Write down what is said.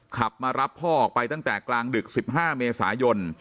ขับมารับพ่อออกไปตั้งแต่กลางดึก๑๕เมษายน